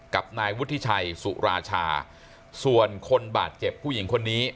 กับนายวุฒิชัยสุราชาส่วนคนบาดเจ็บผู้หญิงคนนี้